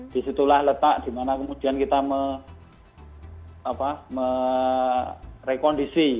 disitulah letak di mana kemudian kita merekondisi